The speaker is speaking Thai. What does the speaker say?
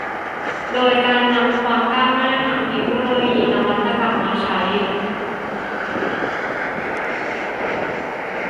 โดยการนำความก้าวหน้าทางเทคโนโลยี นวัตกรรมมาใช้